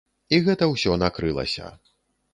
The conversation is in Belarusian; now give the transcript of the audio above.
І гэта ўсё накрылася.